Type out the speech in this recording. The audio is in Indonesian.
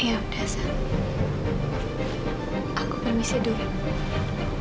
aku permisi dulu